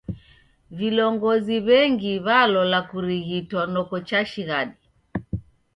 Vilongozi w'engi w'alola kurighitwa noko chashighadi.